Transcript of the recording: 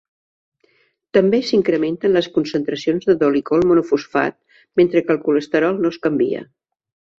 També s'incrementen les concentracions de dolicol monofosfat, mentre que el colesterol no es canvia.